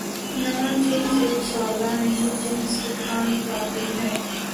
یہاں جنس اک شعلہ نہیں، جنس کی آنچ کافی ہے